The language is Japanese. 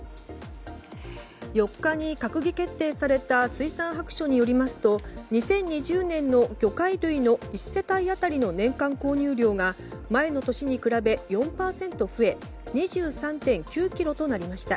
４日に閣議決定された水産白書によりますと２０２０年の魚介類の１世帯当たりの年間購入量が前の年に比べ４％増え２３．９ｋｇとなりました。